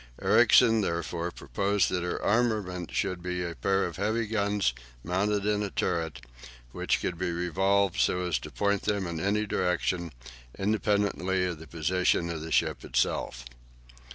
Ericsson, therefore, proposed that her armament should be a pair of heavy guns mounted in a turret, which could be revolved so as to point them in any direction, independently of the position of the ship herself.